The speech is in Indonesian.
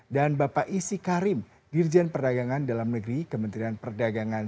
dan bapak isi karim dirjen perdagangan dalam negeri kementerian perdagangan